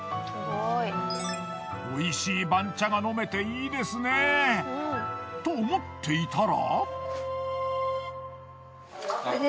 美味しい番茶が飲めていいですね。と思っていたら。